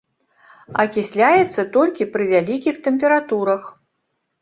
Акісляецца толькі пры вялікіх тэмпературах.